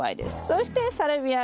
そしてサルビア